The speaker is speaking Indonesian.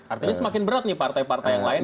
artinya semakin berat nih partai partai yang lain